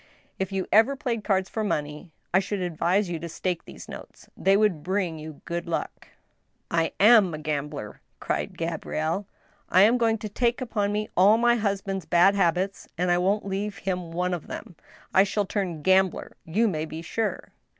If you ever played cards for money, I should advise you to stake these notes ; they would bring you good luck." "I am a, gambler !" cried Gabrielle ;" I am going to take upon me all my husband's bad habits, and I won't leave him one of them ! I shall turn gambler, you may be sure."